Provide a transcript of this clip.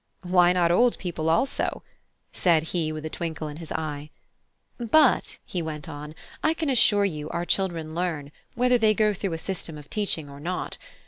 "Why not old people also?" said he with a twinkle in his eye. "But," he went on, "I can assure you our children learn, whether they go through a 'system of teaching' or not.